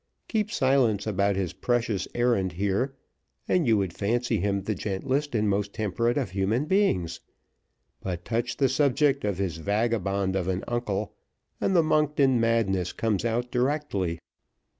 Keep silence about his precious errand here, and you would fancy him the gentlest and most temperate of human beings; but touch the subject of his vagabond of an uncle, and the Monkton madness comes out directly.